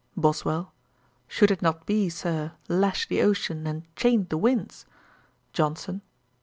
BOSWELL. 'Should it not be, Sir, lashed the ocean and chained the winds?' JOHNSON.